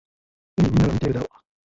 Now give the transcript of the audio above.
おい、みんなが見てるだろ。